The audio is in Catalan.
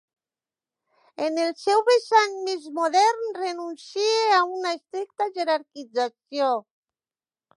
En el seu vessant més modern, renuncie a una estricta jerarquització.